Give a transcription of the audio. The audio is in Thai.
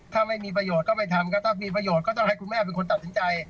ถ้าไม่มีประโยชน์ก็ไม่ทำก็ถ้ามีประโยชน์ก็ต้องให้คุณแม่เป็นคนตัดสินใจ